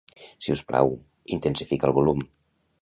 Si us plau, intensifica el volum.